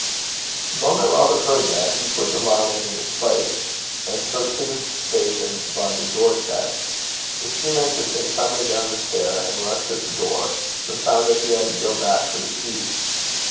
The moment Robert heard that, he put the violin in its place, and took his station by the door cheek. The soutar came tumbling down the stair, and rushed at the door, but found that he had to go back for the key.